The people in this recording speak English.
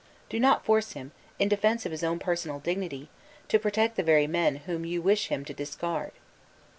Do not force him, in defence of his own personal dignity, to protect the very men whom you wish him to discard."